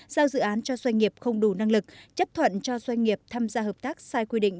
giao dự án cho doanh nghiệp không đủ năng lực chấp thuận cho doanh nghiệp tham gia hợp tác sai quy định